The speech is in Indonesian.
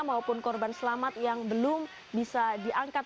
maupun korban selamat yang belum bisa diangkat